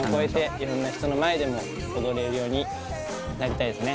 いろんな人の前でも踊れるようになりたいですね・